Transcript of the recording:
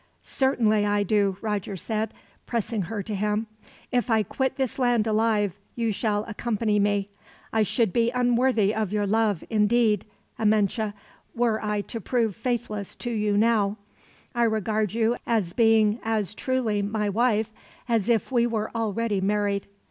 "Certainly I do," Roger said, pressing her to him; "if I quit this land alive, you shall accompany me. I should be unworthy of your love, indeed, Amenche, were I to prove faithless to you now. I regard you as being as truly my wife, as if we were already married."